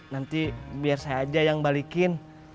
nanti biar saya aja yang balikin